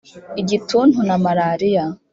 igituntu na malariya.